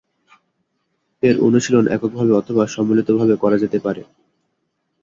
এর অনুশীলন এককভাবে অথবা সম্মিলিতভাবে করা যেতে পারে।